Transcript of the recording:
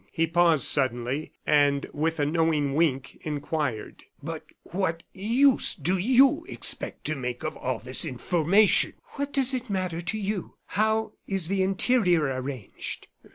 He paused suddenly, and with a knowing wink, inquired: "But what use do you expect to make of all this information?" "What does that matter to you? How is the interior arranged?"